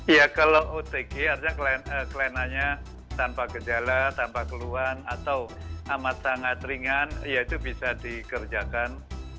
ya kalau otg artinya kelenanya tanpa gejala tanpa keluhan atau amat sangat ringan ya itu bisa dikerjakan